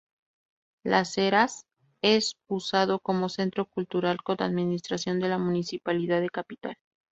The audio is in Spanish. Las Heras es usado como centro cultural con administración de la Municipalidad de Capital.